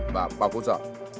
và bà cô giỏ